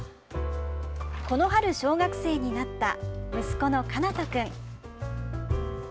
この春、小学生になった息子の奏人君。